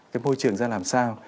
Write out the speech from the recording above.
cái môi trường ra làm sao